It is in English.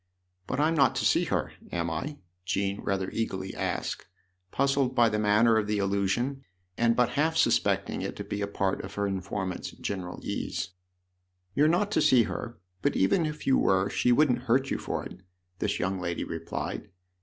" But I'm not to see her> am I ?" Jean rather eagerly asked, puzzled by the manner of the allu sion and but half suspecting it to be a part of her informant's general ease* " You're not to see her, but even if you were she wouldn't hurt you for it," this young lady replied.